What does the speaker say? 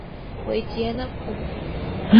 وَإِتْيَانَ الْقُرَبِ